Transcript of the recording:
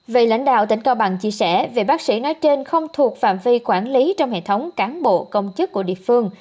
vị lãnh đạo tỉnh cao bằng chia sẻ về bác sĩ nói trên không thuộc phạm vi quản lý trong hệ thống cán bộ công chức của địa phương